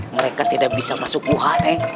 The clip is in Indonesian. mereka tidak bisa masuk wuhan